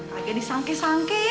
tak jadi sangki sangki ya